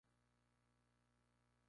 A menudo se le ve con una bazuca.